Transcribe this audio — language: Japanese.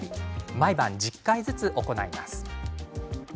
朝晩１０回ずつ行います。